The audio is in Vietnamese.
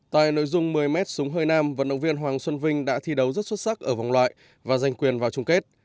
tại nội dung một mươi mét súng hơi nam vận động viên hoàng xuân vinh đã thi đấu rất xuất sắc ở vòng loại và giành quyền vào chung kết